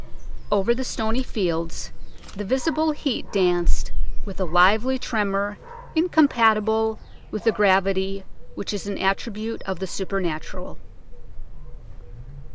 Over the stony fields the visible heat danced with a lively tremor incompatible with the gravity which is an attribute of the supernatural.